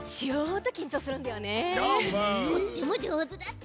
とってもじょうずだったち。